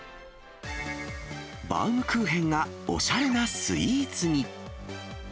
バウムクーヘンがおしゃれなスイーツに。